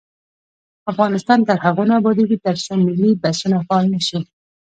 افغانستان تر هغو نه ابادیږي، ترڅو ملي بسونه فعال نشي.